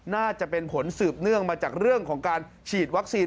น่าจะเป็นผลสืบเนื่องมาจากเรื่องของการฉีดวัคซีน